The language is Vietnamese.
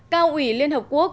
cao ủy liên hợp quốc